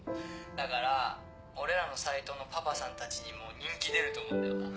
だから俺らのサイトのパパさんたちにも人気出ると思うんだよな。